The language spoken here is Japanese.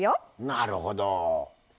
なるほど。